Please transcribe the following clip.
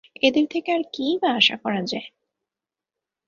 এদের থেকে আর কী-ই বা আশা করা যায়?